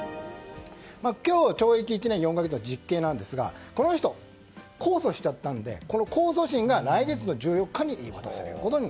今日、懲役１年４か月の実刑なんですがこの人、控訴しちゃったので控訴審が来月の１４日に言い渡されると。